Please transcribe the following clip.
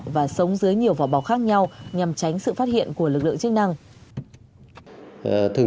và sống dưới nhiều vỏ bọc khác nhau nhằm tránh sự phát hiện của lực lượng chức năng